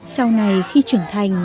sau này khi trưởng thành